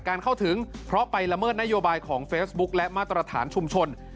เข้าถึงเพราะไปละเมิดนโยบายของเฟซบุ๊คและมาตรฐานชุมชน